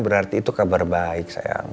berarti itu kabar baik sayang